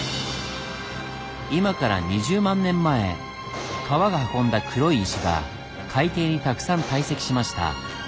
今から２０万年前川が運んだ黒い石が海底にたくさん堆積しました。